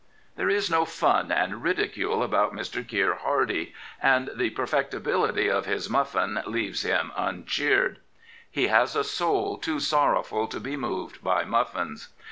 There is no fun and ridicule about Mr. Keir Hardie, and the perfecti bility of his muflSin leaves him uncheered. He has a soul too sorrowful to be moved by muffins.